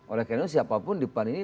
oleh karena siapapun di pan ini